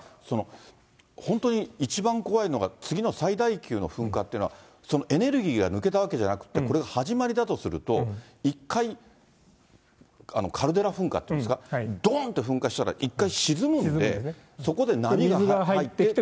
その本当に一番怖いのが、次の最大級の噴火っていうのは、そのエネルギーが抜けたわけじゃなくて、これ、始まりだとすると、一回、カルデラ噴火っていうんですか、どんって噴火したら一回沈むんで、そこで波が入って。